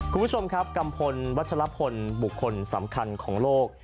คุณผู้ชมครับกัมพลวัชลพลบุคคลสำคัญของโลก